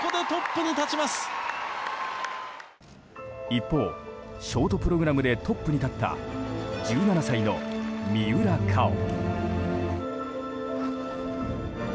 一方、ショートプログラムでトップに立った１７歳の三浦佳生。